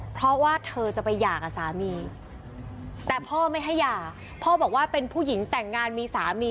เพราะว่าเธอจะไปหย่ากับสามี